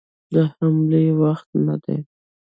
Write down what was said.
د حملې وخت نه دی.